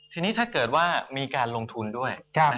ทีนี้ถ้าเกิดว่ามีการลงทุนด้วย